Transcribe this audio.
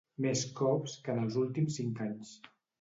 Més cops que en els últims cinc anys.